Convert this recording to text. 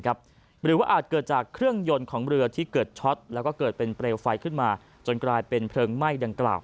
หรือว่าอาจเกิดจากเครื่องยนต์ของเรือที่เกิดช็อตแล้วก็เกิดเป็นเปลวไฟขึ้นมาจนกลายเป็นเพลิงไหม้ดังกล่าว